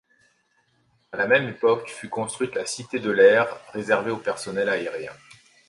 À la même époque fut construite la Cité de l'Air réservée au personnel aérien.